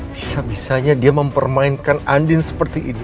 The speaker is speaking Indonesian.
bisa bisanya dia mempermainkan andin seperti ini